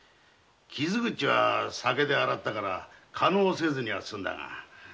傷口は酒で洗ったから化膿せずには済んだが。